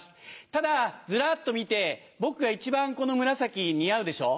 ただずらっと見て僕が一番この紫似合うでしょ？